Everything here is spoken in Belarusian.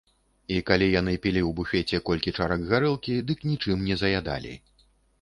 І калі яны пілі ў буфеце колькі чарак гарэлкі, дык нічым не заядалі.